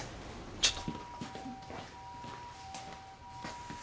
ちょっと。